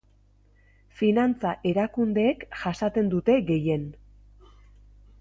Finantza-erakundeek jasaten dute gehien.